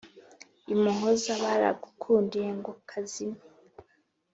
i muhoza baragukundiye ngo kazime.